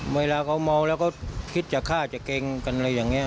เวลาเขามองแล้วก็คิดจะฆ่าจะเกรงกันอะไรอย่างนี้